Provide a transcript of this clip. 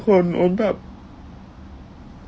สุขภาพจิตอดเสียไปเลยนะครับทุกคนรู้สึกแย่มากมากมากมาก